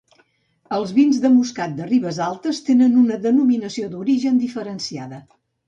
Els vins de moscat de Ribesaltes tenen una denominació d'origen diferenciada.